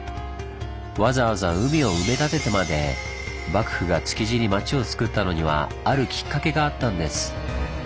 わざわざ海を埋め立ててまで幕府が築地に町をつくったのにはあるきっかけがあったんです。